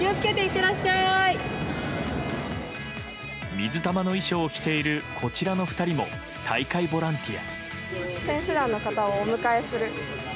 水玉の衣装を着ているこちらの２人も大会ボランティア。